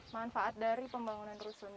manfaat dari pembangunan rusunawa